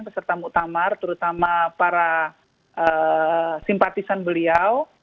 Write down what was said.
peserta muktamar terutama para simpatisan beliau